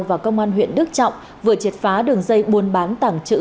và công an huyện đức trọng vừa triệt phá đường dây buôn bán tảng chữ